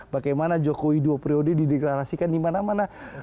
bagaimana jokowi dua periode dideklarasikan di mana mana